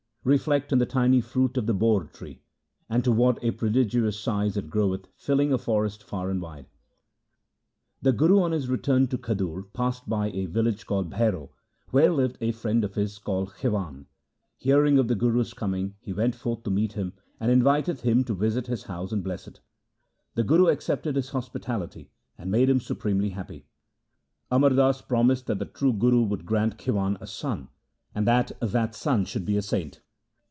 Reflect on the tiny fruit of the bohr tree, 1 and to what a prodigious size it groweth, filling a forest far and wide.' The Guru on his return to Khadur passed by a village called Bhriro, where lived a friend of his called Khiwan. Hearing of the Guru's coming, he went forth to meet him, and invited him to visit his house and bless it. The Guru accepted his hospitality, and made him supremely happy. Amar Das promised that the true Guru would grant Khiwan a son, and that that son should be a saint.